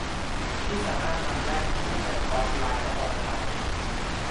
ที่สามารถทำได้ทั้งรูปแบบออฟไลน์และออนไลน์